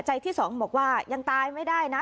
ที่๒บอกว่ายังตายไม่ได้นะ